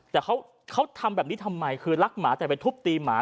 แต่เขาทำแบบนี้ทำไมคือรักหมาแต่ไปทุบตีหมา